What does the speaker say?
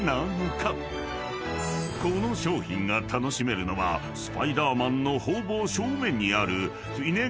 ［この商品が楽しめるのはスパイダーマンのほぼ正面にある］